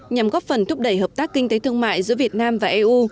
nhằm góp phần thúc đẩy hợp tác kinh tế thương mại giữa việt nam và eu